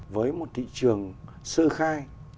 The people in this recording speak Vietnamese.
với một thị trường sơ khai